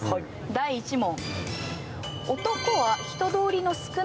第１問。